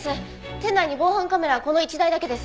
店内に防犯カメラはこの１台だけです。